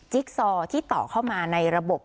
ซอที่ต่อเข้ามาในระบบ